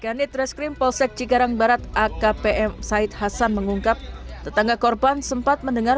kanit reskrim polsek cikarang barat akpm said hasan mengungkap tetangga korban sempat mendengar